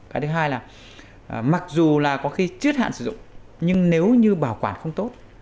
cái thứ hai là mặc dù là có khi chưa hết hạn sử dụng nhưng nếu như bảo quản không tốt